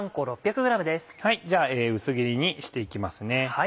じゃあ薄切りにして行きますね。